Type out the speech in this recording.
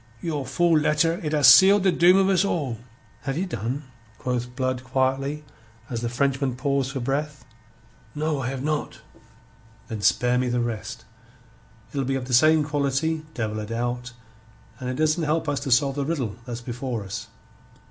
Your fool letter it have seal' the doom of us all." "Have ye done?" quoth Blood quietly, as the Frenchman paused for breath. "No, I have not." "Then spare me the rest. It'll be of the same quality, devil a doubt, and it doesn't help us to solve the riddle that's before us."